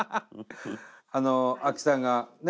あの亜希さんがね